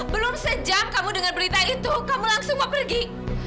belum sejam kamu dengan berita itu kamu langsung mau pergi